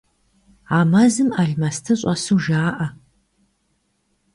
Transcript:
А мэзым алмэсты щӏэсу жаӏэ.